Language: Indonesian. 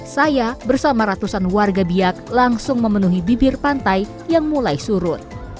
saya bersama ratusan warga biak langsung memenuhi bibir pantai yang mulai surut